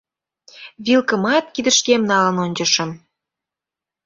Вилкымат кидышкем налын ончышым.